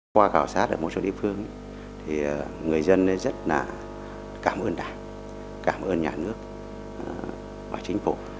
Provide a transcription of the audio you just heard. qua khảo sát ở một số địa phương thì người dân rất là cảm ơn đảng cảm ơn nhà nước và chính phủ